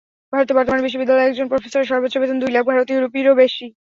ভারতে বর্তমানে বিশ্ববিদ্যালয়ের একজন প্রফেসরের সর্বোচ্চ বেতন দুই লাখ ভারতীয় রুপিরও বেশি।